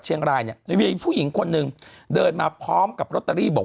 เชียงรายเนี่ยมีผู้หญิงคนหนึ่งเดินมาพร้อมกับลอตเตอรี่บอก